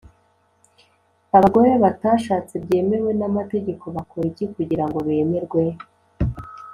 abagore batashatse byemewe n’amategeko bakora iki kugirango bemerwe?